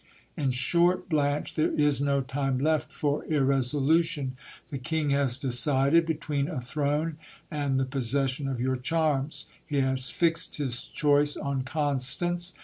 In short, Blanche, there is no time left for irresolu tion. The king has decided between a throne and the possession of your charms. He has fixed his choice on Constance.